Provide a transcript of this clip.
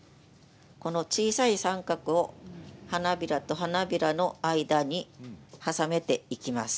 小さい三角を花びらと花びらの間に重ねていきます。